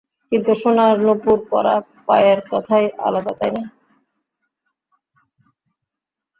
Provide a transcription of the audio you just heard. কিন্তু সোনার নূপুর পরা পায়ের কথাই আলাদা, তাই না?